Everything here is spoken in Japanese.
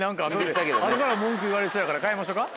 後から文句言われそうやから変えましょか？